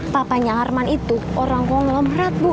papanya arman itu orang konglomerat bu